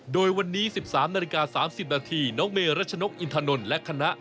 โดยวันนี้๑๓นาฬิกา๓๐นาทีน้องเมรัชนกอินทานนท์และคณะ